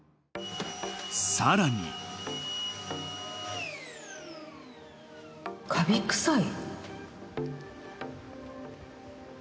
さらにカビ臭い？